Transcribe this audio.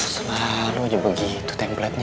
selalu aja begitu templatenya